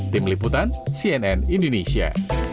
tim liputan cnn indonesia